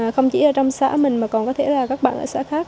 không chỉ ở trong xã mình mà còn có thể là các bạn ở xã khác